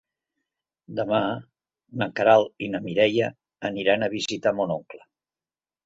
Demà na Queralt i na Mireia aniran a visitar mon oncle.